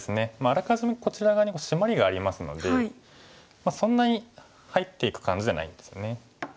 あらかじめこちら側にシマリがありますのでそんなに入っていく感じじゃないんですね。